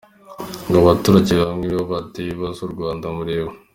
Aba batugaragura bamwe, nibo bateye ibi bibazo u Rwanda mureba.